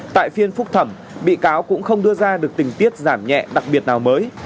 tại phiên phúc thẩm bị cáo cũng không đưa ra được tình tiết giảm nhẹ đặc biệt nào mới